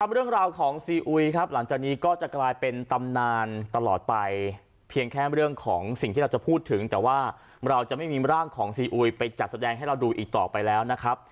เรื่องราวของซีอุยครับหลังจากนี้ก็จะกลายเป็นตำนานตลอดไปเพียงแค่เรื่องของสิ่งที่เราจะพูดถึงแต่ว่าเราจะไม่มีร่างของซีอุยไปจัดแสดงให้เราดูอีกต่อไปแล้วนะครับ